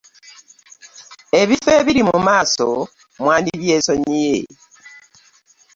Ebifo ebiri mu maaso mwandibyesonyiye.